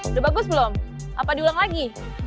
sudah bagus belum apa diulang lagi